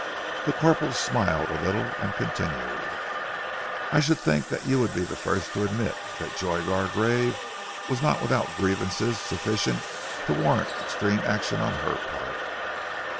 The corporal smiled a little, and continued "I should think that you would be the first to admit that Joy Gargrave was not without grievances sufficient to warrant extreme action on her part."